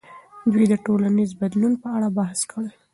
دوی د ټولنیز بدلون په اړه بحث کړی دی.